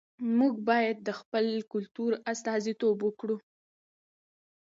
موږ بايد د خپل کلتور استازیتوب وکړو.